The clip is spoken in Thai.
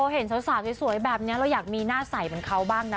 เห็นสาวสวยแบบนี้เราอยากมีหน้าใสเหมือนเขาบ้างนะ